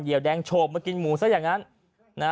เดี๋ยวแดงโฉบมากินหมูซะอย่างนั้น